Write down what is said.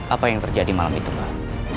apa yang terjadi malam itu mbak